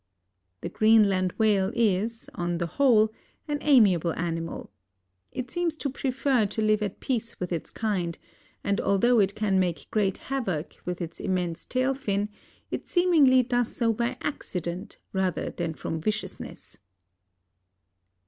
The Greenland Whale is, on the whole, an amiable animal. It seems to prefer to live at peace with its kind, and although it can make great havoc with its immense tail fin, it seemingly does so by accident rather than from viciousness.